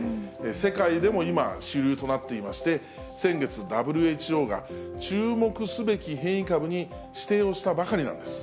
世界でも今、主流となっていまして、先月、ＷＨＯが注目すべき変異株に指定をしたばかりなんです。